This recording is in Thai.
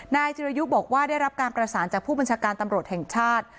นายจิรยุบอกว่าได้รับการประสานจากผู้บัญชาการตำรวจแห่งชาติ